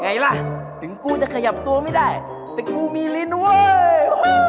ไงล่ะถึงกูจะขยับตัวไม่ได้แต่กูมีลิ้นเว้ย